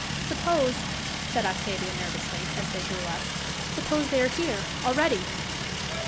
"Suppose," said Octavia nervously, as they drew up, "suppose they are here already."